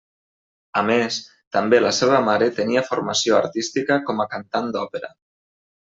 A més, també la seva mare tenia formació artística com a cantant d'òpera.